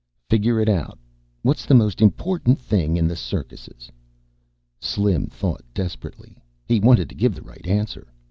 "Figure it out. What's the most important thing in circuses?" Slim thought desperately. He wanted to give the right answer.